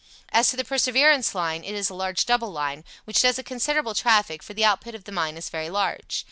As to the Perseverance line, it is a large double line, which does a considerable traffic, for the output of the mine is very large.